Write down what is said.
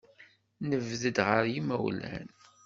Nebded ɣer yimawlan.